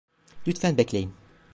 Lütfen bekleyin.